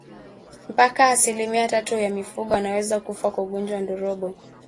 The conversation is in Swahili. Mpaka asilimia tatu ya mifugo wanaweza kufa kwa ugonjwa wa ndorobo